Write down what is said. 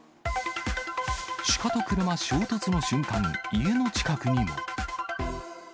シカと車衝突の瞬間、家の近くにも。